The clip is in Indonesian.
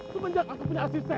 sebenjak aku punya asisten